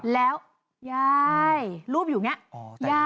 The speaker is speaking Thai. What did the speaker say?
แล้วยายรูปอยู่อย่างนี้